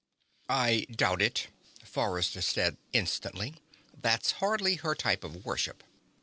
"I doubt it," Forrester said instantly. "That's hardly her type of worship."